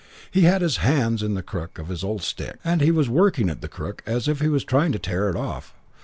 He had his hands on the crook of his old stick and he was working at the crook as if he was trying to tear it off.